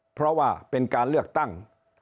เพราะว่าเป็นการเลือกตั้ง